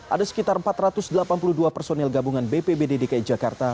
ada sekitar empat ratus delapan puluh dua personil gabungan bpbd dki jakarta